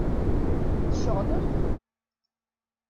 Tceɣlem?